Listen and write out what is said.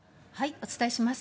お伝えします。